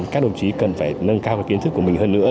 các đồng chí cần phải nâng cao kiến thức của mình hơn nữa